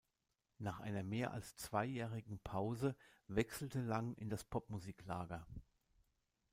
Nach einer mehr als zweijährigen Pause wechselte Lang in das Popmusik-Lager.